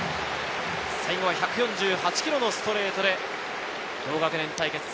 最後は１４８キロのストレートで同学年対決。